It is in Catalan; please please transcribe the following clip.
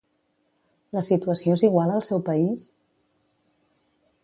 La situació és igual al seu país?